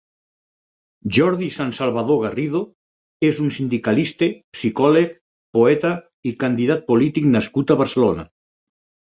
Jordi Sansalvador Garrido és un sindicalista, psicòleg, poeta i candidat polític nascut a Barcelona.